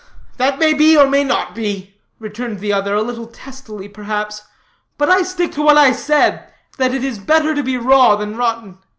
"That may be, or may not be," returned the other, a little testily, perhaps; "but I stick to what I said, that it is better to be raw than rotten.